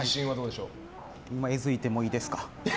今、えずいてもいいですか？